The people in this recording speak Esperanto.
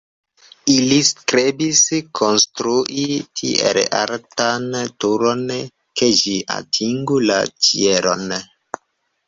Ili strebis konstrui tiel altan turon, ke ĝi atingu la ĉielon.